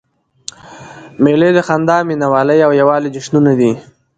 مېلې د خندا، مینوالۍ او یووالي جشنونه دي.